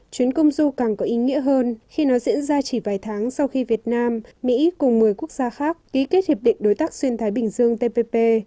chuyến công du càng có ý nghĩa hơn khi nó diễn ra chỉ vài tháng sau khi việt nam mỹ cùng một mươi quốc gia khác ký kết hiệp định đối tác xuyên thái bình dương tpp